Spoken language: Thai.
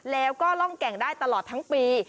แล้วก็ร่องแก่งได้ตลอดทั้งปี